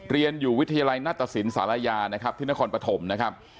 เรียนอยู่วิทยาลัยนัตตสินศาลายานะครับที่นครปฐมนะครับ